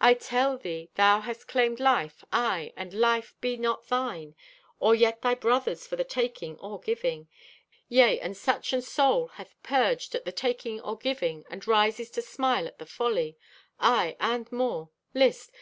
I tell thee thou hast claimed life; aye, and life be not thine or yet thy brother's for the taking or giving. Yea, and such an soul hath purged at the taking or giving, and rises to smile at thy folly. "Aye, and more. List!